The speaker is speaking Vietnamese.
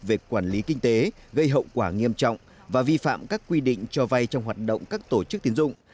về quản lý kinh tế gây hậu quả nghiêm trọng và vi phạm các quy định cho vay trong hoạt động các tổ chức tiến dụng